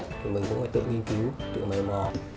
thì mình cũng phải tự nghiên cứu tự mời mò